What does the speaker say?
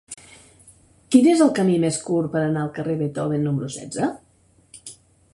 Quin és el camí més curt per anar al carrer de Beethoven número setze?